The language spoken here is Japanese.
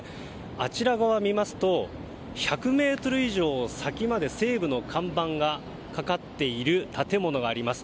あちら側見ますと１００ｍ以上先まで西武の看板がかかっている建物があります。